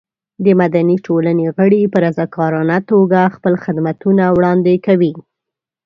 د مدني ټولنې غړي په رضاکارانه توګه خپل خدمتونه وړاندې کوي.